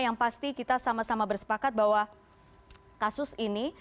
yang pasti kita sama sama bersepakat bahwa kasus ini